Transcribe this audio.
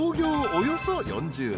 およそ４０年］